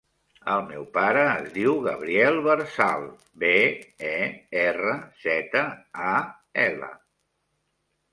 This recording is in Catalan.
El meu pare es diu Gabriel Berzal: be, e, erra, zeta, a, ela.